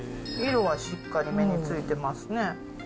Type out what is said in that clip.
色はしっかりめについてますね。